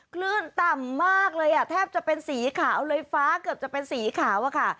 คลื่นต่ำมากเลยอ่ะแทบจะเป็นสีขาวเลยฟ้าเกือบจะเป็นสีขาวอะค่ะ